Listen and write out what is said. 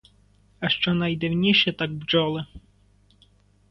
А що найдивніше, так бджоли.